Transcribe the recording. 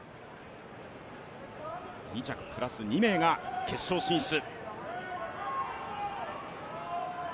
２着プラス２名が決勝進出。